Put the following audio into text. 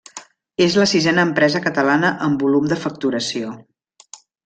És la sisena empresa catalana en volum de facturació.